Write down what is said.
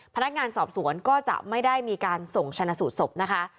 พนักงานสอบสวนก็จะไม่ได้มีการส่งชนะสูตรศพนะคะ